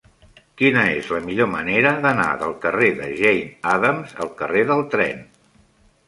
Quina és la millor manera d'anar del carrer de Jane Addams al carrer del Tren?